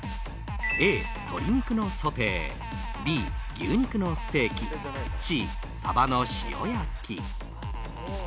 Ａ、鶏肉のソテーＢ、牛肉のステーキＣ、サバの塩焼き。